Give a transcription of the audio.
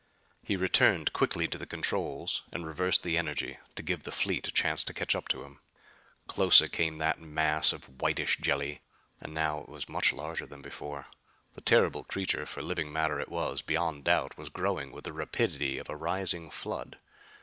He returned quickly to the controls and reversed the energy, to give the fleet a chance to catch up to him. Closer came that mass of whitish jelly. And now it was much larger than before. The terrible creature, for living matter it was, beyond doubt, was growing with the rapidity of a rising flood.